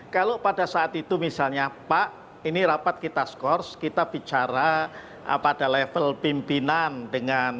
kalau pada saat itu misalnya pak ini rapat kita skors kita bicara pada level pimpinan dengan